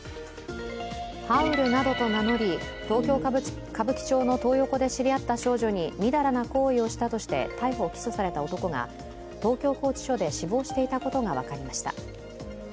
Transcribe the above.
ハウルなどと名乗り東京・歌舞伎町のトー横で知り合った少女に淫らな行為をしたとして逮捕・起訴された男が東京拘置所で死亡していたことが分かりました。